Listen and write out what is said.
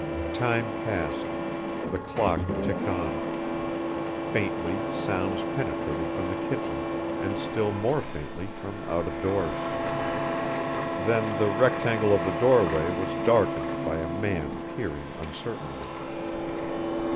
Time passed. The clock ticked on. Faintly sounds penetrated from the kitchen, and still more faintly from out of doors. Then the rectangle of the doorway was darkened by a man peering uncertainly.